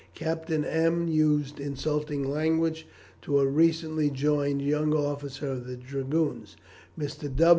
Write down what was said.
Captain M l used insulting language to a recently joined young officer of the Dragoons. Mr.